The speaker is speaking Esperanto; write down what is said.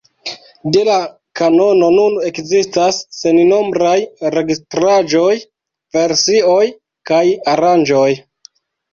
De la kanono nun ekzistas sennombraj registraĵoj, versioj kaj aranĝoj.